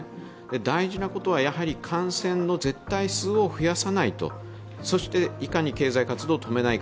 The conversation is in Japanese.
大事なことは感染の絶対数を増やさないと、いかに経済活動を止めないか。